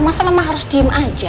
masa lama harus diem aja